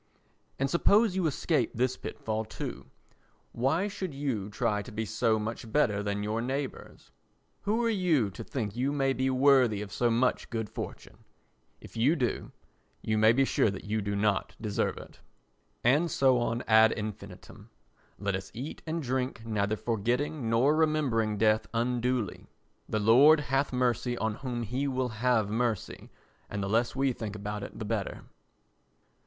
And suppose you escape this pit fall too. Why should you try to be so much better than your neighbours? Who are you to think you may be worthy of so much good fortune? If you do, you may be sure that you do not deserve it. And so on ad infinitum. Let us eat and drink neither forgetting nor remembering death unduly. The Lord hath mercy on whom he will have mercy and the less we think about it the better.